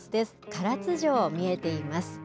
唐津城、見えています。